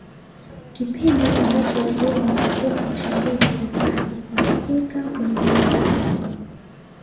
Kipindi ambacho wageni kutoka mashariki ya mbali wanafika maeneo ya Pwani